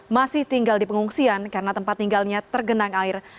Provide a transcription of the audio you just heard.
masih tinggal di pengungsian karena tempat tinggalnya tergenang air